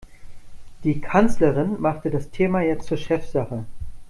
Die Kanzlerin machte das Thema jetzt zur Chefsache.